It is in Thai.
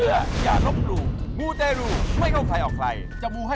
ในวัยต่อครับสวัสดีครับ